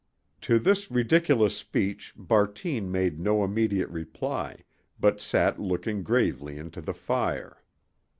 To this ridiculous speech Bartine made no immediate reply, but sat looking gravely into the fire.